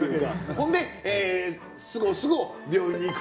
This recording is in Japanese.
ほんですごすご病院に行く。